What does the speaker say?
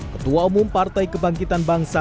ketua umum partai kebangkitan bangsa